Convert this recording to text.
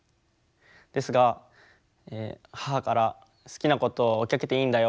ですが母から「好きなことを追いかけていいんだよ。